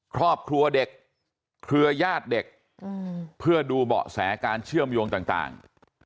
ครอบครัวเด็กเครือญาติเด็กเพื่อดูเบาะแสการเชื่อมโยงต่าง